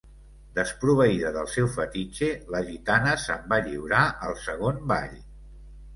Desproveïda del seu fetitxe, la gitana se'm va lliurar al segon ball.